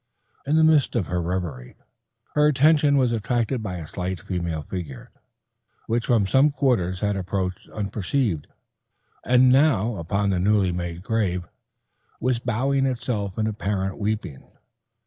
In the midst of her reverie her attention was attracted by a slight female figure, which from some quarters had approached unperceived, and now upon the newly made grave was bowing itself in apparent weeping.